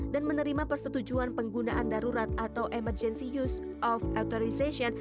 dan menerima persetujuan penggunaan darurat atau emergency use of authorization